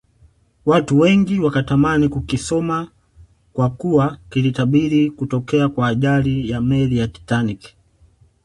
watu wengi wakatamani kukisoma kwakuwa kilitabiri kutokea kwa ajali ya meli ya Titanic